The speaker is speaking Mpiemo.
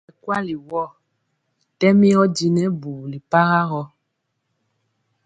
Bɛ kuali wɔɔ tɛmi ɔdinɛ bubuli para gɔ.